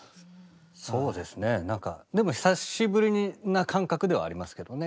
そうですねなんかでも久しぶりな感覚ではありますけどね。